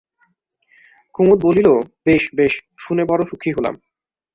কুমুদ বলিল, বেশ বেশ, শুনে বড় সুখী হলাম।